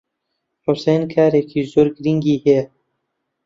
حوسێن کارێکی زۆر گرنگی ھەیە.